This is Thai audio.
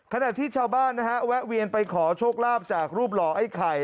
ขณะที่ชาวบ้านนะฮะแวะเวียนไปขอโชคลาภจากรูปหล่อไอ้ไข่